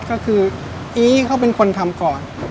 ก็คืออีเขาเป็นคนทำก่อน